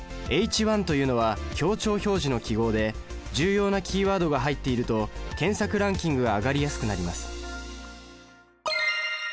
「ｈ１」というのは強調表示の記号で重要なキーワードが入っていると検索ランキングが上がりやすくなります。